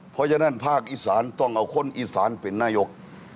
เพราะฉะนั้นภาคอีสานต้องเอาคนอีสานเป็นนายก